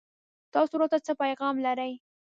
تاسو راته څه پيغام لرئ